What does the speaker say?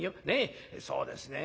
そうですね